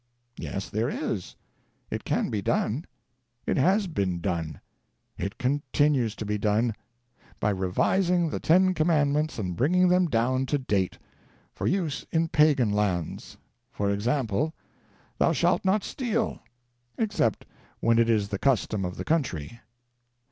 Yes, there is. It can be done; it has been done; it continues to be done — by revising the Ten Commandments and bringing them down to date : for use in pagan lands. For example : Thou shall not steal— except when it is the custom of the country.